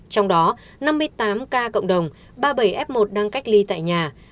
trong đó năm mươi tám ca cộng đồng ba mươi bảy f một đang cách ly tại nhà